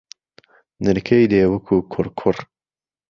نرکەی دێ وهکوو کوڕکوڕ